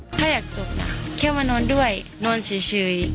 ถ้าอยากจบแค่มานอนด้วยนอนเฉย